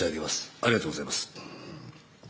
ありがとうございます。